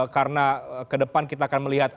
karena ke depan kita akan melihat